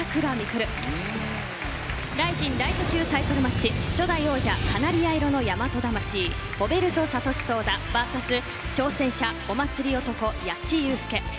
ＲＩＺＩＮライト級タイトルマッチ初代王者、カナリア色の大和魂ホベルト・サトシ・ソウザＶＳ挑戦者、お祭り漢・矢地祐介。